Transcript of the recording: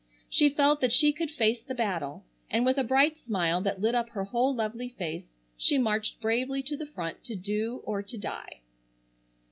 She felt that she could face the battle, and with a bright smile that lit up her whole lovely face she marched bravely to the front to do or to die.